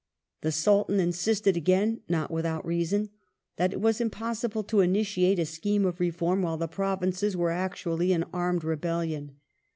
The Sultan insisted again, not without reason, that it was impossible to initiate a scheme of reform while the Provinces were actually in armed rebellion.